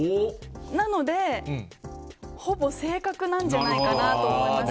なので、ほぼ正確なんじゃないかなと思います。